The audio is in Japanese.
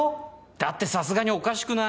だってさすがにおかしくない？